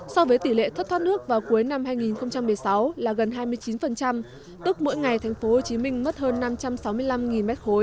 so với tỷ lệ thất thoát nước vào cuối năm hai nghìn một mươi sáu là gần hai mươi chín tức mỗi ngày thành phố hồ chí minh mất hơn năm trăm sáu mươi năm m ba